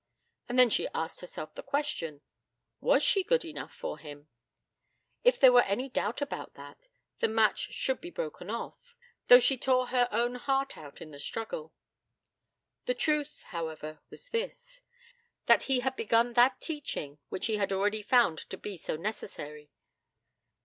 And then she asked herself the question was she good enough for him? If there were doubt about that, the match should be broken off, though she tore her own heart out in the struggle. The truth, however, was this, that he had begun that teaching which he had already found to be so necessary.